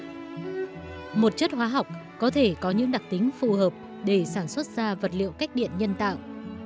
bạc kỳ lên nghĩ đến phenol một chất hóa học có thể có những đặc tính phù hợp để sản xuất ra vật liệu cách điện nhân tạo